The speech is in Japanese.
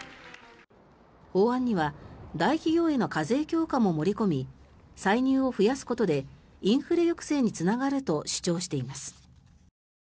法案には大企業への課税強化も盛り込み歳入を増やすことでインフレ抑制につながると主張しています。